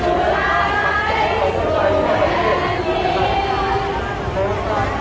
๓๐ครับ